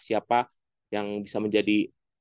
siapa yang bisa menjadi